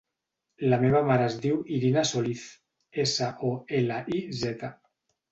La meva mare es diu Irina Soliz: essa, o, ela, i, zeta.